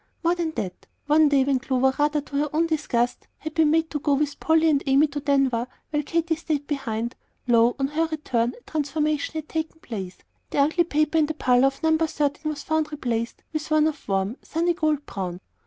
More than that, one day, when Clover, rather to her own disgust, had been made to go with Polly and Amy to Denver while Katy stayed behind, lo! on her return, a transformation had taken place, and the ugly paper in the parlor of No. 13 was found replaced with one of warm, sunny gold brown.